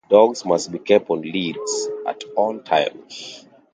Dogs must be kept on leads at all times.